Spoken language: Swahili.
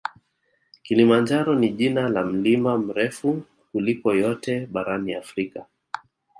Kilimanjaro ni jina la mlima mrefu kuliko yote barani Afrika